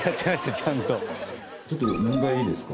ちょっと問題いいですか？